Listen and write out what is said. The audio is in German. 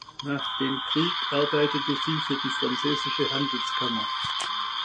Nach dem Krieg arbeitete sie für die französische Handelskammer.